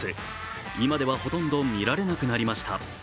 今ではほとんど見られなくなりました。